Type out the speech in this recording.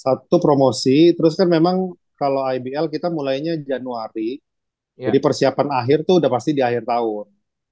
satu promosi terus kan memang kalau ibl kita mulainya januari jadi persiapan akhir itu udah pasti di akhir tahun